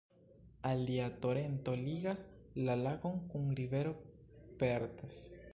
Alia torento ligas la lagon kun rivero Perth.